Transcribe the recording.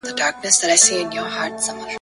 زما قلا به نه وي ستا په زړه کي به آباد سمه !.